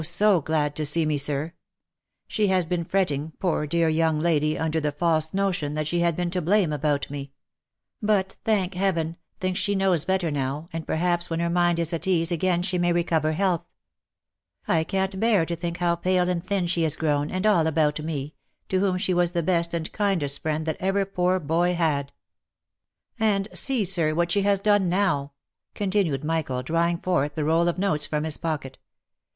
so glad to see me, sir ! She has been fretting, poor dear young lady, under the false notion that she had been to blame about me ; but, thank Heaven ! think she knows better now, and perhaps when her mind is at ease again she may recover health. I can't bear to think how pale and thin she is grown, and all about me, to whom she was the best and kindest friend that ever poor boy had. And see, sir, what she has done now !" continued Michael, drawing forth the roll of notes from his pocket.